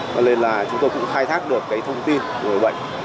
vậy nên là chúng tôi cũng khai thác được cái thông tin của bệnh